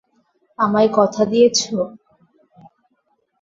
আমায় কথা দিয়েছো?